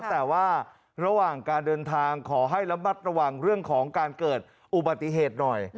แต่ว่าระหว่างการเดินทางขอให้ระมัดระวังเรื่องของการเกิดอุบัติเหตุหน่อย